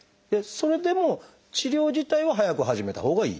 それでも治療自体は早く始めたほうがいい？